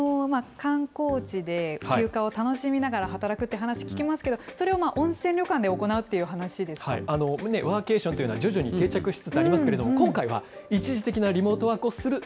観光地で休暇を楽しみながら働くって話聞きますけど、それをワーケーションというのは徐々に定着しつつありますけれども、今回は、一時的なリモートワーク違う？